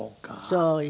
そうよ。